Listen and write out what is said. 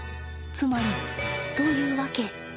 つまり。というわけ。